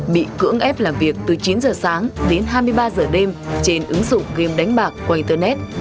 bị cưỡng ép làm việc từ chín h sáng đến hai mươi ba h đêm trên ứng dụng game đánh bạc quanh tờ net